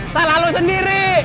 salah lu sendiri